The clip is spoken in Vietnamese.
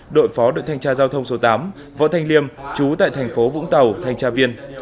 đội phó đội thanh tra giao thông số tám võ thanh liêm chú tại thành phố vũng tàu thanh tra viên